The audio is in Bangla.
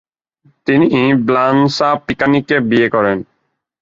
তিনি ব্লান্সা পিকানিকে বিয়ে করেন।